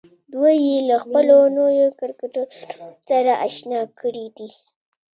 دوی يې له خپلو نويو کرکټرونو سره اشنا کړي دي.